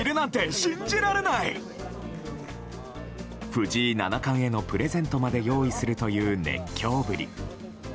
藤井七冠へのプレゼントまで用意するという熱狂ぶり。